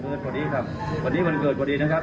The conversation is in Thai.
วันเกิดพอดีครับวันนี้วันเกิดพอดีนะครับ